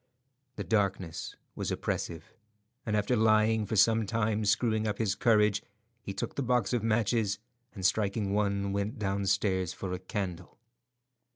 The darkness was oppressive, and after lying for some time screwing up his courage, he took the box of matches, and striking one, went downstairs for a candle.